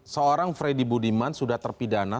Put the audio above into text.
seorang freddy budiman sudah terpidana